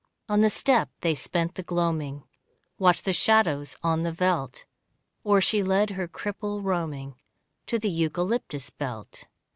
On the stoep they spent the gloaming, Watched the shadows on the veldt, Or she led her cripple roaming To the eucalyptus belt.